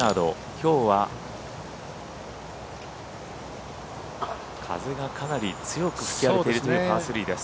きょうは風がかなり吹き荒れているというパー３です。